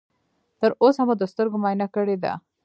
تر اوسه مو د سترګو معاینه کړې ده؟